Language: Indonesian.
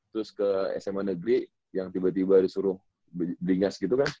terus ke sma negeri yang tiba tiba disuruh dinas gitu kan